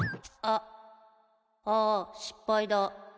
あっあ失敗だ